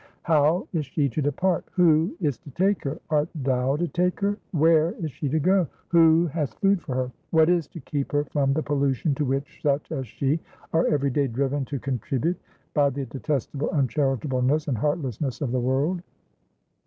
"How is she to depart? Who is to take her? Art thou to take her? Where is she to go? Who has food for her? What is to keep her from the pollution to which such as she are every day driven to contribute, by the detestable uncharitableness and heartlessness of the world?"